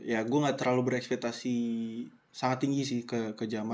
ya gue gak terlalu berekspetasi sangat tinggi sih ke jamaah